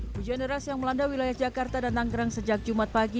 hujan deras yang melanda wilayah jakarta dan tanggerang sejak jumat pagi